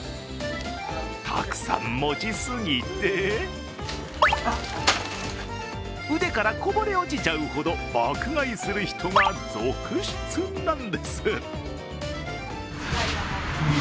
たくさん持ち過ぎて腕からこぼれ落ちちゃうほど爆買いする人が続出なんです。